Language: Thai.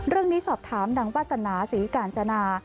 เรื่องนี้สอบถามนางวาสนาศรีกาญจนา